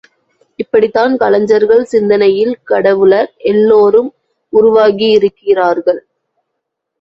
இப்படித்தான் கலைஞர்கள் சிந்தனையில் கடவுளர் எல்லோரும் உருவாகியிருக்கிறார்கள்.